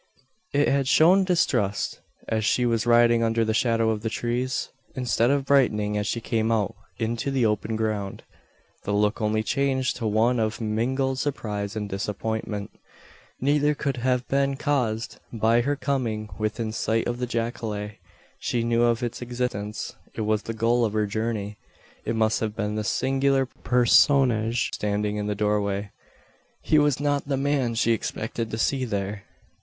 It had shown distrust, as she was riding under the shadow of the trees. Instead of brightening as she came out into the open ground, the look only changed to one of mingled surprise and disappointment. Neither could have been caused by her coming within sight of the jacale. She knew of its existence. It was the goal of her journey. It must have been the singular personage standing in the doorway. He was not the man she expected to see there.